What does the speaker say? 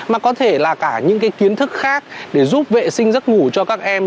mà có thể là cả những kiến thức khác để giúp vệ sinh giấc ngủ cho các em